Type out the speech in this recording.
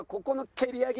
蹴り上げ。